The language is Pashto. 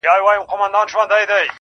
شعـر كي مي راپـاتـــه ائـيـنه نـه ده~